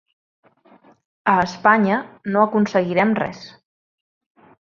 A Espanya, no aconseguirem res.